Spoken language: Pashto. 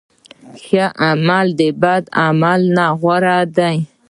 ښه عمل د بد عمل نه غوره دی.